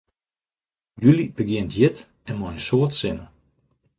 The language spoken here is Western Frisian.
July begjint hjit en mei in soad sinne.